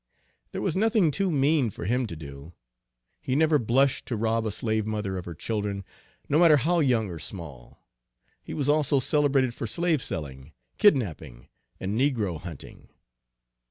There was nothing too mean for him to do. He never blushed to rob a slave mother of her children, no matter how young or small. He was also celebrated for slave selling, kidnapping, and negro hunting.